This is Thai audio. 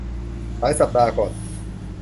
หลายสัปดาห์ก่อน